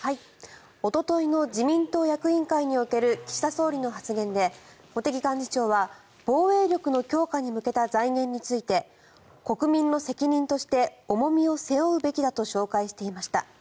おとといの自民党役員会における岸田総理の発言で茂木幹事長は防衛力の強化に向けた財源について国民の責任として重みを背負うべきだと紹介していました。